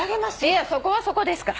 いえそこはそこですから。